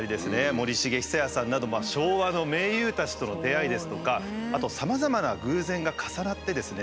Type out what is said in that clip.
森繁久彌さんなど昭和の名優たちとの出会いですとかあとさまざまな偶然が重なってですね